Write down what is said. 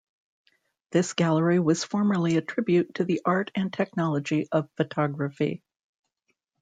This gallery was formerly a tribute to the art and technology of photography.